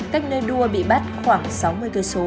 cách nơi đua bị bắt khoảng sáu mươi km